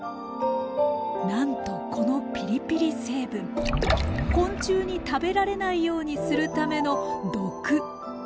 なんとこのピリピリ成分昆虫に食べられないようにするための毒。